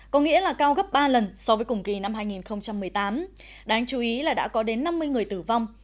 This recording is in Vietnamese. có nghĩa là cao gấp ba lần so với cùng kỳ năm hai nghìn một mươi tám đáng chú ý là đã có đến năm mươi người tử vong